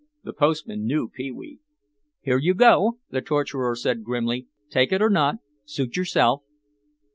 The postman knew Pee wee. "Here you go," the torturer said grimly, "take it or not, suit yourself."